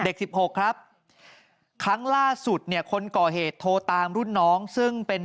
เด็ก๑๖ครับครั้งล่าสุดเนี่ยคนก่อเหตุโทรตามรุ่นน้อง